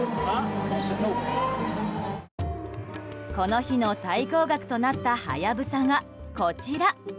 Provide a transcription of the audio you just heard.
この日の最高額となったハヤブサがこちら。